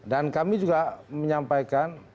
dan kami juga menyampaikan